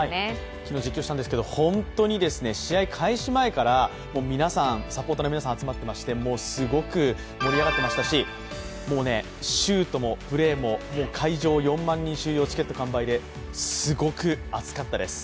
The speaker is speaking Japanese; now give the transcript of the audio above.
昨日、実況したんですけど本当に試合開始前からサポーターの皆さん集まっていましてすごく盛り上がってましたしシュートもプレーも会場４万人収容、チケット完売ですごく熱かったです。